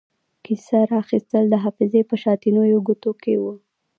کیسه را اخیستل د حافظې په شاتنیو کوټو کې وو.